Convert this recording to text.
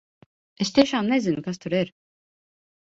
Es tiešām nezinu, kas tur ir!